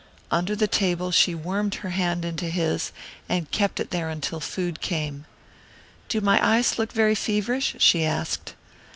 Under the table she wormed her hand into his, and kept it there until food came. "Do my eyes look very feverish?" she asked.